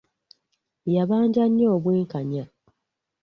Yabanja nnyo obwenkanya.